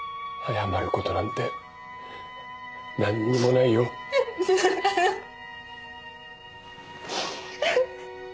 謝ることなんてなんにもないよ。